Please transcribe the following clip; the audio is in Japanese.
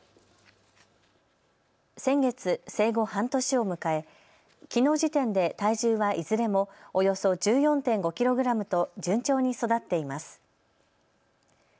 先月、生後半年を迎え、きのう時点で体重はいずれもおよそ１４．５キログラムと順調に育っています。